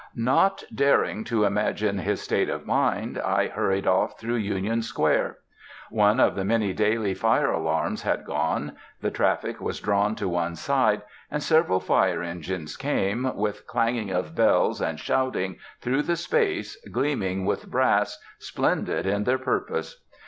Not daring to imagine his state of mind, I hurried off through Union Square. One of the many daily fire alarms had gone; the traffic was drawn to one side, and several fire engines came, with clanging of bells and shouting, through the space, gleaming with brass, splendid in their purpose.